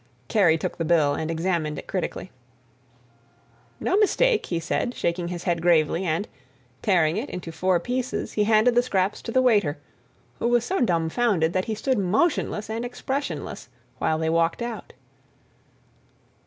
Kerry took the bill and examined it critically. "No mistake!" he said, shaking his head gravely, and, tearing it into four pieces, he handed the scraps to the waiter, who was so dumfounded that he stood motionless and expressionless while they walked out.